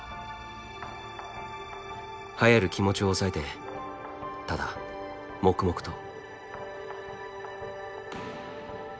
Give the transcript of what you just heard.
はやる気持ちを抑えてただ黙々と。